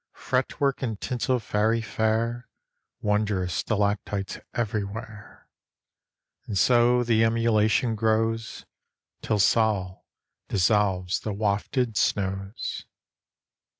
Fretwork and tinsel fairy fair, Wondrous stalactites everywhere. And so the emulation grows Till Sol dissolves the wafted snows.